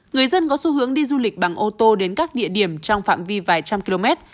người dân có xu hướng đi du lịch bằng ô tô đến các địa điểm trong phạm vi vài trăm km